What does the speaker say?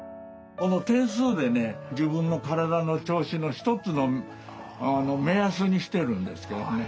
この点数でね自分の体の調子の一つの目安にしてるんですけどね。